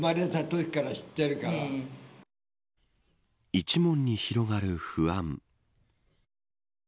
一門に広がる不安。